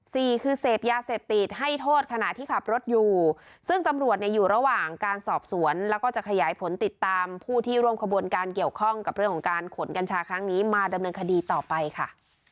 สี่คือเสพยาเสพติดให้โทษขณะที่ขับรถอยู่ซึ่งตำรวจเนี่ยอยู่ระหว่างการสอบสวนแล้วก็จะขยายผลติดตามผู้ที่ร่วมขบวนการเกี่ยวข้องกับเรื่องของการขนกัญชาครั้งนี้มาดำเนินคดีต่อไปค่ะ